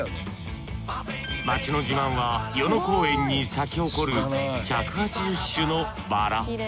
街の自慢は与野公園に咲き誇る１８０種のバラ。